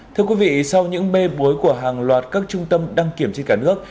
thưa quý vị sau những bê bối của hàng loạt các trung tâm đăng kiểm trên cả nước